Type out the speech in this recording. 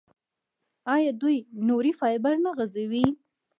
آیا دوی نوري فایبر نه غځوي؟